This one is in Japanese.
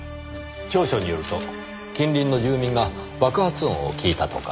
調書によると近隣の住民が爆発音を聞いたとか。